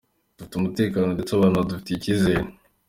Dufite umutekano ndetse abantu badufitiye icyizere.